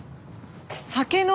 「酒の」